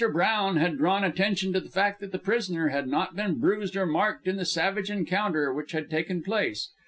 Brown had drawn attention to the fact that the prisoner had not been bruised or marked in the savage encounter which had taken place.